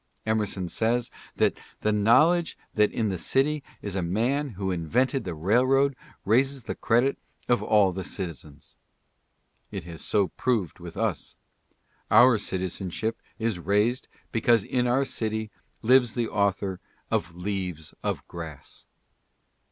Emerson says that " the knowledge that in the city is a man who invented the railroad raises the credit of all the citizens." It has so proved with us. Our citizenship is raised because in our city lives the author of "Leaves of Grass."